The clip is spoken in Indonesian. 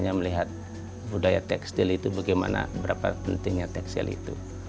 hanya melihat budaya tekstil itu bagaimana berapa pentingnya tekstil itu